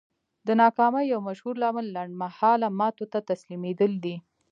د ناکامۍ يو مشهور لامل لنډ مهاله ماتو ته تسليمېدل دي.